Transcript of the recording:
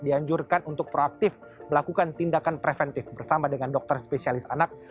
dianjurkan untuk proaktif melakukan tindakan preventif bersama dengan dokter spesialis anak